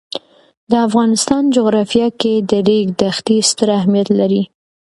د افغانستان جغرافیه کې د ریګ دښتې ستر اهمیت لري.